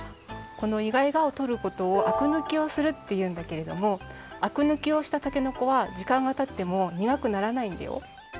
このイガイガをとることをあくぬきをするっていうんだけれどもあくぬきをしたたけのこはじかんがたってもにがくならないんだよ。